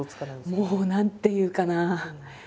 もう何ていうかな。